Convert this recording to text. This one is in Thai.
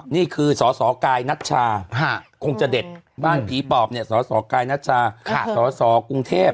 นี่คือสสกายนัชชาคงจะเด็ดบ้านผีปอบเนี่ยสสกายนัชชาสสกรุงเทพ